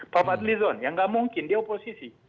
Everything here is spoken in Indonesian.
pak patlizon yang enggak mungkin di oposisi